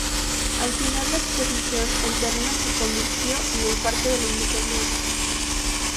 Al finalizar la exposición, el terreno se convirtió en el Parque de la Independencia.